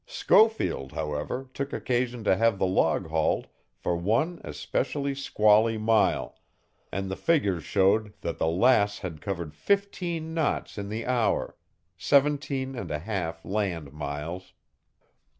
Schofield, however, took occasion to have the log hauled for one especially squally mile, and the figures showed that the Lass had covered fifteen knots in the hour seventeen and a half land miles.